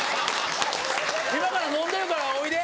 今から飲んでるからおいで」。